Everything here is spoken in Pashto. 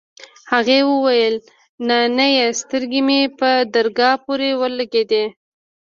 هغې وويل نانيه سترگه مې په درگاه پورې ولگېده.